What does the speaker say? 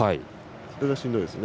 それがしんどいですね。